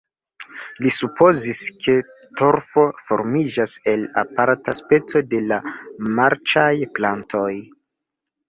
Li supozis ke torfo formiĝas el aparta speco de la marĉaj plantoj.